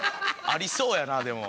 ありそうやなでも。